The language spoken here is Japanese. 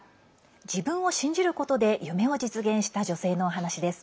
自分を信じることで夢を実現した女性のお話です。